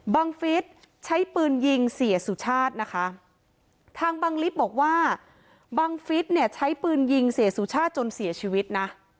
บังฟิศใช้ปืนยิงเสียสุชาตินะคะทางบังลิฟต์บอกว่าบังฟิศเนี่ยใช้ปืนยิงเสียสุชาติจนเสียชีวิตนะ